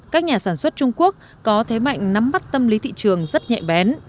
các nhà sản xuất trung quốc có thế mạnh nắm mắt tâm lý thị trường rất nhẹ bén